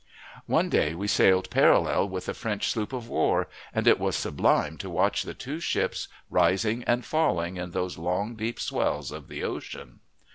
One day we sailed parallel with a French sloop of war, and it was sublime to watch the two ships rising and falling in those long deep swells of the ocean.